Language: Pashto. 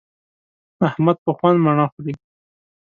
احمد په خوند مڼه خوري.